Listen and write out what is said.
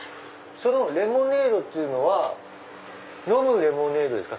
そのレモネードっていうのは飲むレモネードですか？